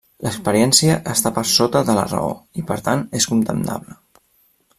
L'experiència està per sota de la raó, i per tant és condemnable.